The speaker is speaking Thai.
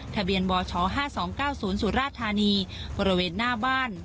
ทะเบียนบชห้าสองเก้าศูนย์สุราธารณีบริเวณหน้าบ้าน